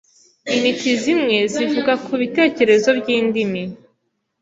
intiti zimwe zivuga kubitekerezo byindimi